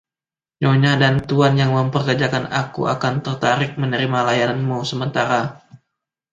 Nyonya dan tuan yang memperkerjakan aku akan tertarik menerima layananmu sementara.